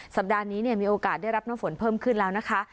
สัปดาห์นี้มีโอกาสได้รับน้ำฝนเพิ่มขึ้นแล้วนะคะ